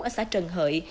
ở xã trần hợi